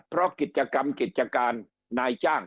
เพราะกิจกรรมกิจการนายจ้าง